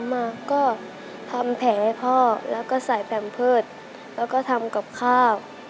มาก็ทำแผลให้พ่อแล้วก็ใส่แพมเพิร์ตแล้วก็ทำกับข้าว